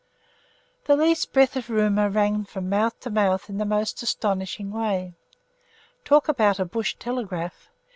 The least breath of rumour ran from mouth to mouth in the most astonishing way. Talk about a Bush Telegraph!